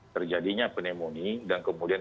terjadinya pneumonia dan kemudian